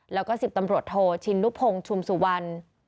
แล้วก็๑๐ตำรวจโทชินนุพงศ์ชุมสุวรรณ